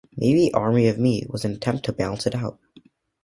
Maybe "Army Of Me" was an attempt to balance it out".